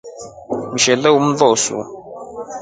Mshele ulosu.